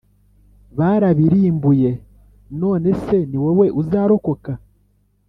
barabirimbuye; none se ni wowe uzarokoka ?